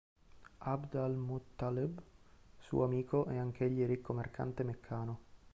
ʿAbd al-Muṭṭalib, suo amico e anch'egli ricco mercante meccano.